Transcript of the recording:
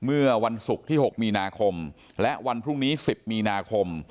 เมื่อวันศุกร์ที่๖มีนาคมและวันพรุ่งนี้๑๐มีนาคม